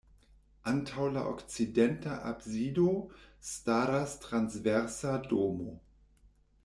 Antaŭ la okcidenta absido staras transversa domo.